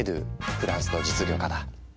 フランスの実業家だ。